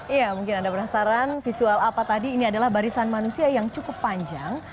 iya mungkin anda penasaran visual apa tadi ini adalah barisan manusia yang cukup panjang